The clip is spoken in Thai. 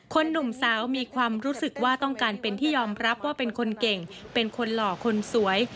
หนุ่มสาวมีความรู้สึกว่าต้องการเป็นที่ยอมรับว่าเป็นคนเก่งเป็นคนหล่อคนสวย